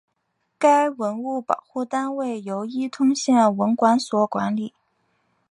该文物保护单位由伊通县文管所管理。